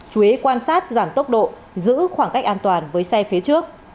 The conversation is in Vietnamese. chú ý quan sát giảm tốc độ giữ khoảng cách an toàn với xe phía trước